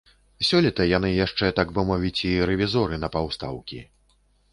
Сёлета яны яшчэ, так бы мовіць, і рэвізоры на паўстаўкі.